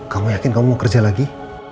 kamu yakin kamu mau kerja lagi